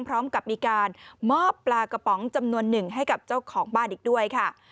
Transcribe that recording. พร้อมกับมีการมอบปลากระป๋องจำนวนหนึ่งให้กับเจ้าของบ้านอีกด้วยค่ะ